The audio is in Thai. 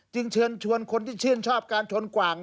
เชิญชวนคนที่ชื่นชอบการชนกว่าง